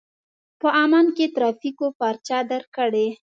په عمان کې ترافيکو پارچه درکړې.